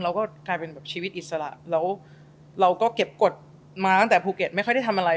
เราก็กลายเป็นแบบชีวิตอิสระแล้วเราก็เก็บกฎมาตั้งแต่ภูเก็ตไม่ค่อยได้ทำอะไร